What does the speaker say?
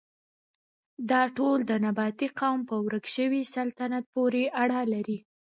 دا ټول د نبطي قوم په ورک شوي سلطنت پورې اړه لري.